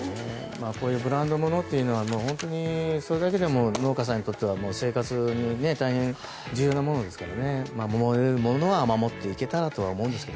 こういうブランドものはそれだけでも農家さんにとっては生活に大変重要なものですから守れるものは守っていけたらと思いますね。